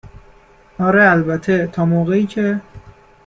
اره البته تا موقعی که